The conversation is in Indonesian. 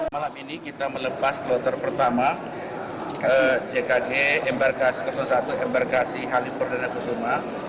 malam ini kita melepas kloter pertama jkg embarkas satu embarkasi halim perdana kusuma